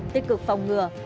tích cực phòng ngừa